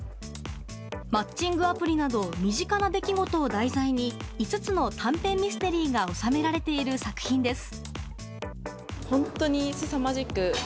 マッチングアプリなど身近な出来事を題材に５つの短編ミステリーが収められている作品です。